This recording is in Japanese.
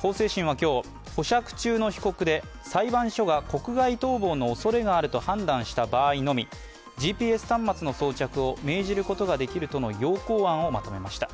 法制審は今日、保釈中の被告で裁判所が国外逃亡の恐れがあると判断した場合のみＧＰＳ端末の装着を命じることができるとの要綱案をまとめました。